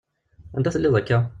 Anda telliḍ akka?